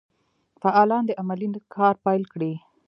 فعالان دي عملي کار پیل کړي.